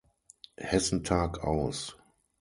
Hessentag aus.